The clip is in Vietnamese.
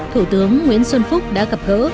thủ tướng nguyễn xuân phúc đã gặp gỡ